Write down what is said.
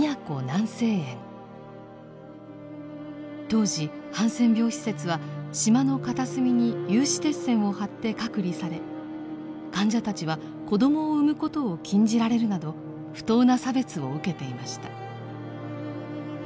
当時ハンセン病施設は島の片隅に有刺鉄線を張って隔離され患者たちは子供を産むことを禁じられるなど不当な差別を受けていました。